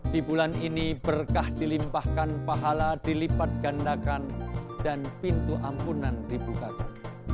di bulan ini berkah dilimpahkan pahala dilipat gandakan dan pintu ampunan dibukakan